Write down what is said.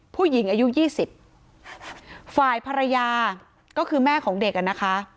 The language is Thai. ผู้หญิงอายุ๒๐ฝ่ายภรรยาก็คือแม่ของเด็กนะคะ